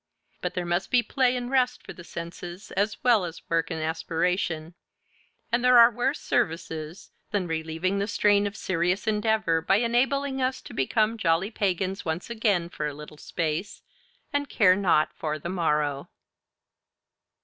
But there must be play and rest for the senses, as well as work and aspiration; and there are worse services than relieving the strain of serious endeavor by enabling us to become jolly pagans once again for a little space, and care naught for the morrow.